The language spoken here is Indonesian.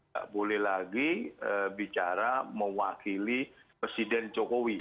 tak boleh lagi bicara mewakili presiden jokowi